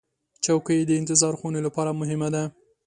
چوکۍ د انتظار خونې لپاره مهمه ده.